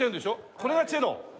これがチェロ？